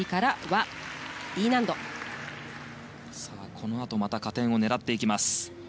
このあとまた加点を狙います。